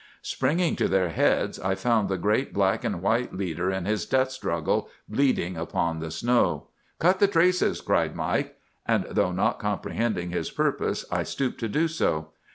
"Springing to their heads, I found the great black and white leader in his death struggle, bleeding upon the snow. "'Cut the traces!' cried Mike. "And though not comprehending his purpose, I stooped to do so.